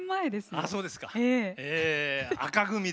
あそうですか。